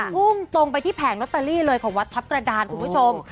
พุ่งตรงไปที่แผงลอตเตอรี่เลยของวัดทัพกระดานคุณผู้ชม